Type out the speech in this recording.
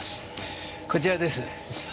こちらです。